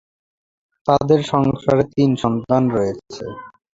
তাদের সংসারে তিন সন্তান রয়েছে।